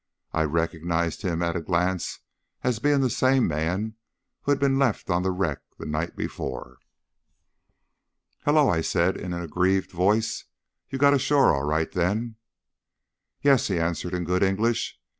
I recognised him at a glance as being the same man who had been left on the wreck the night before. "Hullo!" I said, in an aggrieved voice. "You got ashore all right, then?" "Yes," he answered, in good English.